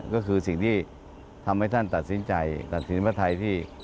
ก็คือสิ่งที่ทำให้ท่านตัดสินใจ